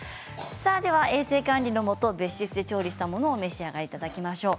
衛生管理のもと別室で調理したものをお召し上がりいただきましょう。